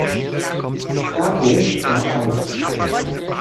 Karpow gab auf.